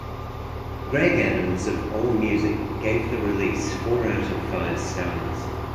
Greg Adams of Allmusic gave the release four out of five stars.